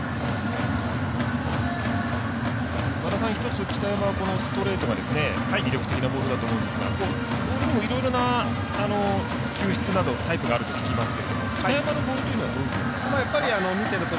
１つ北山はストレートが魅力的なボールだと思うんですがボールにもいろいろな球質などタイプがあると聞きますけど北山のボールというのはどういうふうにご覧になりますか。